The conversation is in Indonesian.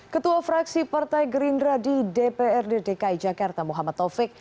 ketua fraksi partai gerindra di dprd dki jakarta muhammad taufik